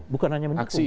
bukan hanya mendukung